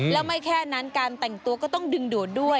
แล้วไม่แค่นั้นการแต่งตัวก็ต้องดึงดูดด้วย